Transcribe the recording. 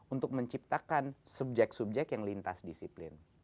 untuk menciptakan subjek subjek yang lintas disiplin